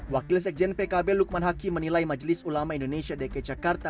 wakil sekjen pkb lukman hakim menilai majelis ulama indonesia dki jakarta